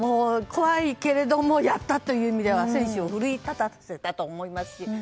怖いけれどもやったという意味では選手を奮い立たせたと思いますし。